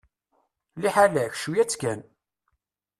Liḥala-k, cwiya-tt kan.